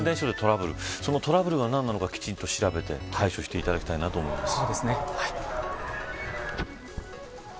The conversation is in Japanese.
トラブルが何なのかきちんと調べて対処していただきたいと思います。